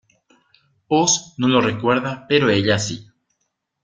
Oz no lo recuerda pero ella sí.